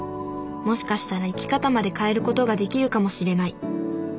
もしかしたら生き方まで変えることができるかもしれない。